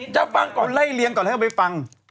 จะฟังก่อนไล่เลี้ยก่อนให้เอาไปฟัง